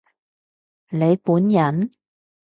你本人？